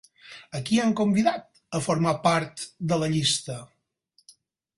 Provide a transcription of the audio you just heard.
A qui han convidat a formar part de la llista?